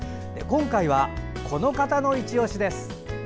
今回は、この方のいちオシです。